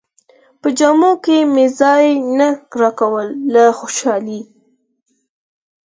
په جامو کې مې ځای نه راکاوه له خوشالۍ.